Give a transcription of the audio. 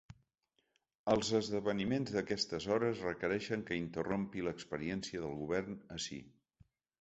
Els esdeveniments d’aquestes hores requereixen que interrompi l’experiència del govern ací.